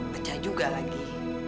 pecah juga lagi